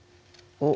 おっ！